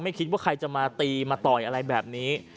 คิดว่าใครจะมาตีมาต่อยอะไรแบบนี้